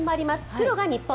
黒が日本